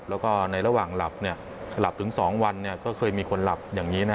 แล้วก็ในระหว่างหลับถึง๒วันก็เคยมีคนหลับอย่างนี้นะ